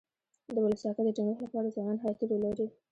د ولسواکۍ د ټینګښت لپاره ځوانان حیاتي رول لري.